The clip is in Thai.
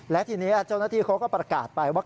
และทีนี้เจ้าหน้าที่เขาก็ประกาศไปว่า